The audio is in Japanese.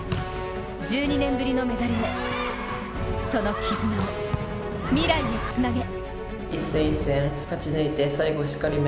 １２年ぶりのメダルへその絆を未来へつなげ。